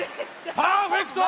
パーフェクト！